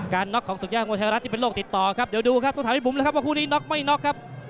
น็อกของสุดยอดมวยไทยรัฐที่เป็นโลกติดต่อครับเดี๋ยวดูครับต้องถามพี่บุ๋มเลยครับว่าคู่นี้น็อกไม่น็อกครับ